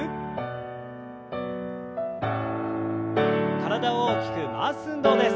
体を大きく回す運動です。